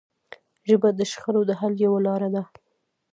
ژبه د شخړو د حل یوه لاره ده